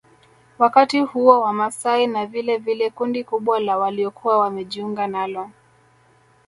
Wakati huo Wamasai na vilevile kundi kubwa la waliokuwa wamejiunga nalo